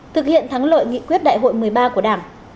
thực hiện thắng lợi nghị quyết đại hội một mươi ba của đảng